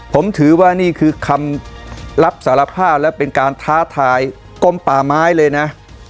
ผมถือว่านี่คือคำรับสารภาพและเป็นการท้าทายกลมป่าไม้เลยนะ